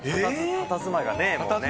たたずまいがね、もうね。